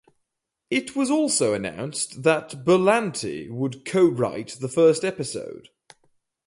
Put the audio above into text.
It was also announced that Berlanti would co-write the first episode.